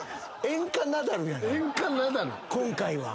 今回は。